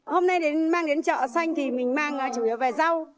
hôm nay mang đến chợ xanh thì mình mang chủ yếu về rau